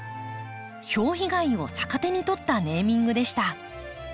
ひょう被害を逆手に取ったネーミングでした。